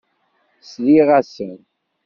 Sliɣ-asen.